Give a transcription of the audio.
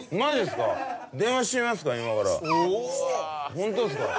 ホントっすか！？